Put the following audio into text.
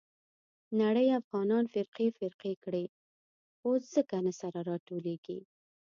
نړۍ افغانان فرقې فرقې کړي. اوس ځکه نه سره راټولېږي.